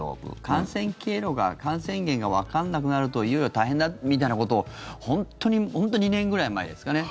感染経路が感染源がわかんなくなるといよいよ大変だみたいなことを本当、２年ぐらい前ですかね